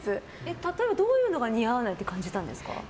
例えばどういうのが似合わないと感じたんですか？